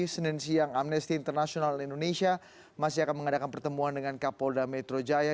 senin siang amnesty international indonesia masih akan mengadakan pertemuan dengan kapolda metro jaya